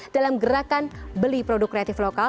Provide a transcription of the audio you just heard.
dalam gerakan beli produk kreatif lokal